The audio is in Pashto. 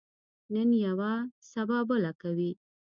نن یوه، سبا بله کوي.